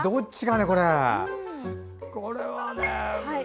これはね。